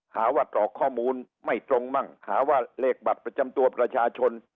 หาว่าตรอกข้อมูลไม่ตรงมั่งหาว่าเลขบัตรประจำตัวประชาชน